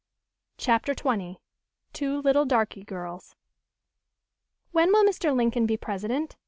CHAPTER XX "TWO LITTLE DARKY GIRLS" "When will Mr. Lincoln be President?"